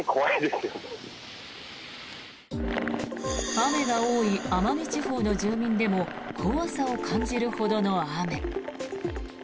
雨が多い奄美地方の住民でも怖さを感じるほどの雨。